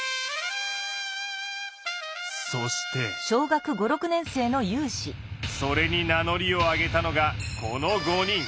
そしてそれに名乗りを上げたのがこの５人。